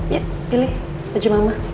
ya pilih baju mama